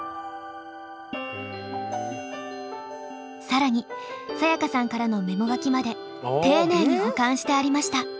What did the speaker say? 更にサヤカさんからのメモ書きまで丁寧に保管してありました。